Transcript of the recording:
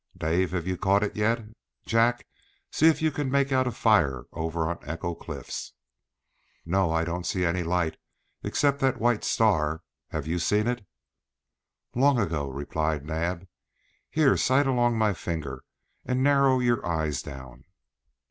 "Dave, have you caught it yet? Jack, see if you can make out a fire over on Echo Cliffs." "No, I don't see any light, except that white star. Have you seen it?" "Long ago," replied Naab. "Here, sight along my finger, and narrow your eyes down."